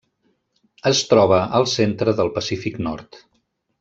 Es troba al centre del Pacífic nord.